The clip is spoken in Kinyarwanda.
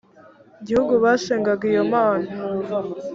gihugu basengaga iyo mana